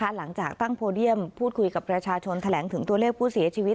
หลังจากตั้งโพเดียมพูดคุยกับประชาชนแถลงถึงตัวเลขผู้เสียชีวิต